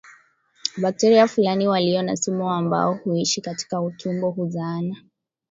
Bakteria fulani walio na sumu ambao huishi katika utumbo huzaana